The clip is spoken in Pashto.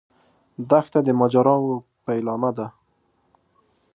دښته د ماجراوو پیلامه ده.